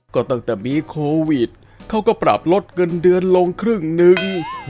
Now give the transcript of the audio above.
ก็ตั้งแต่มีโควิดเขาก็ปรับลดเงินเดือนลงครึ่งหนึ่ง